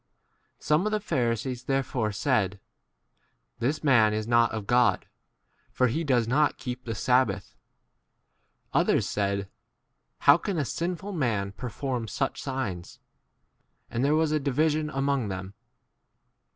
Some of the Pharisees therefore said, This man is not of God, for he does not keep the sabbath. Others said, How can a sinful man perform such signs ? And there was a division J 7 among them.